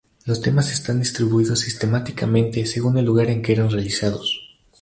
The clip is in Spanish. Los temas están distribuidos sistemáticamente, según el lugar en que eran realizados.